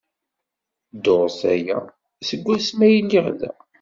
Dduṛt aya seg wasmi ay lliɣ da.